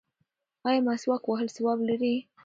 ایا مسواک وهل ثواب لري؟